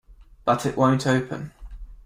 But it won't open.